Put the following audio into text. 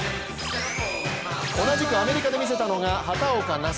同じくアメリカで見せたのが畑岡奈紗。